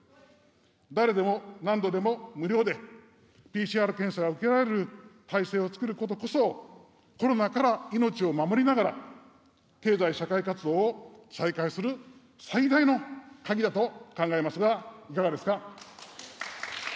誰でも、何度でも、無料でＰＣＲ検査が受けられる体制をつくることこそ、コロナから命を守りながら、経済社会活動を再開する最大の鍵だと考えますが、いかがですか。